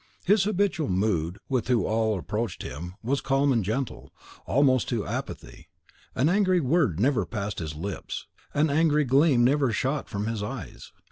His habitual mood with all who approached him was calm and gentle, almost to apathy. An angry word never passed his lips, an angry gleam never shot from his eyes.